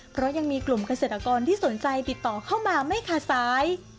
เพราะยังมีกลุ่มเกษตรกรที่สนใจติดต่อเข้ามาไม่ขาดสาย